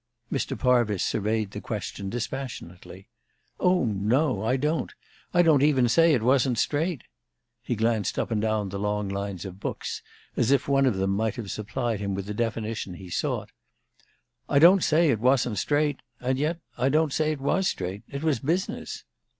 Mr. Parvis surveyed the question dispassionately. "Oh, no, I don't. I don't even say it wasn't straight." He glanced up and down the long lines of books, as if one of them might have supplied him with the definition he sought. "I don't say it wasn't straight, and yet I don't say it was straight. It was business."